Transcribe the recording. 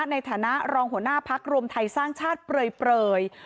ในฐานะรองหัวหน้าพักรวมไทยสร้างชาติเปลย